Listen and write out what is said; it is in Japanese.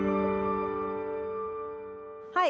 はい。